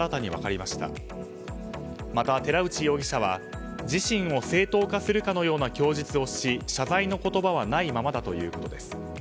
また寺内容疑者は自身を正当化するかのような供述をし謝罪の言葉はないままだということです。